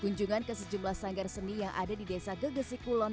kunjungan ke sejumlah sanggar seni yang ada di desa gegesik kulon